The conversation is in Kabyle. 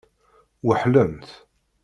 Weḥlent.